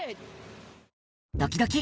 ドキドキ。